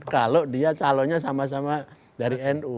kalau dia calonnya sama sama dari nu